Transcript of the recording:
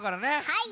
はい。